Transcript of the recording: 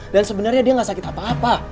dan sebenarnya dia gak sakit apa apa